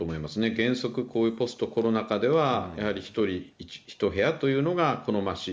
原則こういうポストコロナ禍では、やはり１人１部屋というのが好ましい。